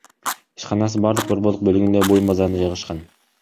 Ишканасы шаардын борбордук бөлүгүндөгү буюм базарында жайгашкан.